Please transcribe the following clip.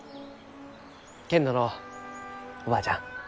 けんどのうおばあちゃん。